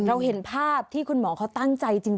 เราเห็นภาพที่คุณหมอเขาตั้งใจจริง